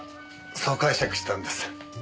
そう解釈したんです。